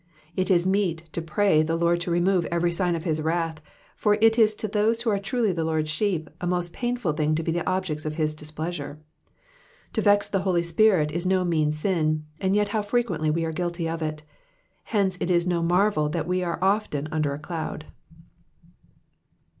It is meet to pray the Lord to remove every sign of his wrath, for it is to those who are truly the Lord's sheep a most painful thing to be the objects of his displeasure. To vex the Holy Spirit is no mean sin, and yet how frequently are we guilty of it ; hence it is no marvel that we are often under a cloud.